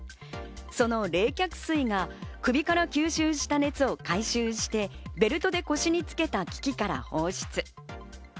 その冷却水が首から吸収した熱を回収して、ベルトで腰につけた機器から放出。